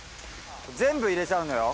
全部入れちゃうんだよ。